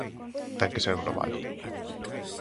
Ten que ser global.